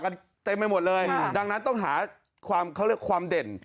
เต็มไปหมดเลยดังนั้นต้องหาความเขาเรียกความเด่น